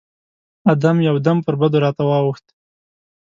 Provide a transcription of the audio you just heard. احمد يو دم پر بدو راته واووښت.